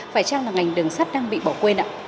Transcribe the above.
phải chăng là ngành đường sắt đang bị bỏ quên ạ